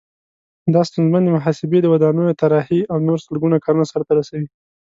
دا ستونزمنې محاسبې، د ودانیو طراحي او نور سلګونه کارونه سرته رسوي.